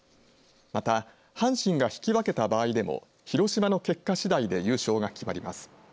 また、阪神が引き分けた場合でも広島の結果しだいで優勝が決まります。